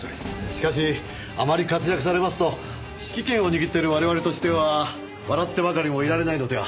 しかしあまり活躍されますと指揮権を握っている我々としては笑ってばかりもいられないのでは？